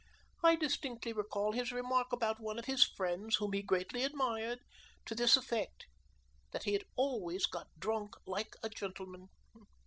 I distinctly recall his remark about one of his friends, whom he greatly admired, to this effect: that he always got drunk like a gentleman.